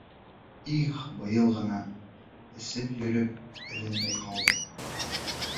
Их, быйыл ғына, эсеп йөрөп эленмәй ҡалды.